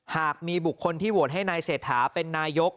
หากมีบุคคลที่โหวตให้นายเศรษฐาเป็นนายก